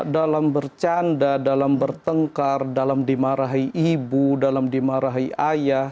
dalam bercanda dalam bertengkar dalam dimarahi ibu dalam dimarahi ayah